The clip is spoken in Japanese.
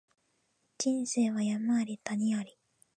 人生は山あり谷あり